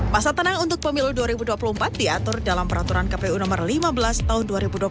masa tenang untuk pemilu dua ribu dua puluh empat diatur dalam peraturan kpu nomor lima belas tahun dua ribu dua puluh